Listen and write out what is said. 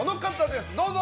どうぞ！